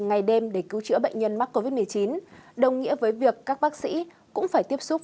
ngày đêm để cứu chữa bệnh nhân mắc covid một mươi chín đồng nghĩa với việc các bác sĩ cũng phải tiếp xúc